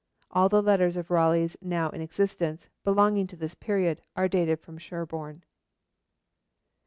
All the letters of Raleigh's now in existence, belonging to this period, are dated from Sherborne.